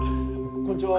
こんにちは。